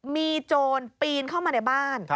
มีโจรปีนเข้ามาในบ้าน